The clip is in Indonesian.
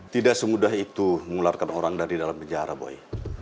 tidak semudah itu mengularkan orang dari dalam penjara boy